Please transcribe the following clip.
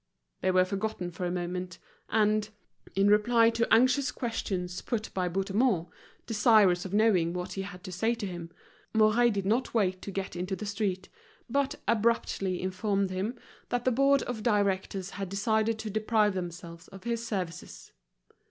They were forgotten for a moment, and, in reply to anxious questions put by Bouthemont, desirous of knowing what he had to say to him, Mouret did not wait to get into the street, but abruptly informed him that the board of directors had decided to deprive themselves of his services.